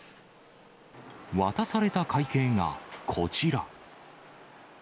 渡された会計がこちら。